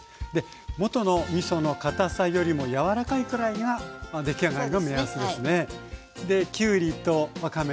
元のみその堅さよりもやわらかいくらいが出来上がりの目安ですね。